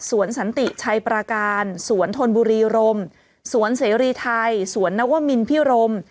สันติชัยประการสวนธนบุรีรมสวนเสรีไทยสวนนวมินพิรม